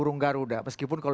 kesehatan itu perlu